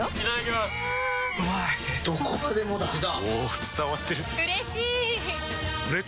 どこまでもだあ！